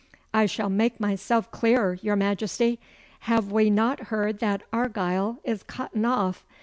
'I shall mak' mysel' clear, your Majesty. Have we no heard that Argyle is cutten off?